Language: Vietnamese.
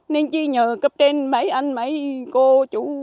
nên chỉ nhờ cấp trên mấy anh mấy cô chú